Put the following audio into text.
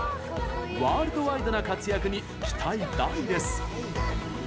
ワールドワイドな活躍に期待大です！